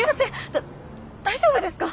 だっ大丈夫ですか？